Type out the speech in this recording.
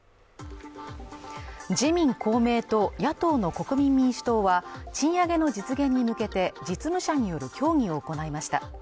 自民・公明と、野党の国民民主党は賃上げの実現に向けて実務者による協議を行いました。